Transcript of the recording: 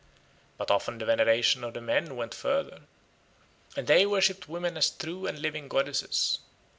But often the veneration of the men went further, and they worshipped women as true and living goddesses.